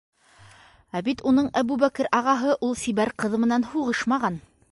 Ә бит уның Әбүбәкер ағаһы ул сибәр ҡыҙ менән һуғышмаған!